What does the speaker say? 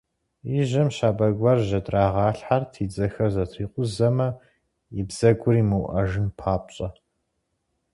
И жьэм щабэ гуэр жьэдрагъалъхьэрт, и дзэхэр зэтрикъузэмэ, и бзэгур имыуӏэжын папщӏэ.